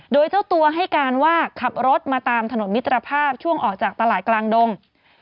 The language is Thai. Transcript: โดยเจ้าตัวให้การว่าขับรถมาตามถนนมิตรภาพช่วงออกจากตลาดกลางดง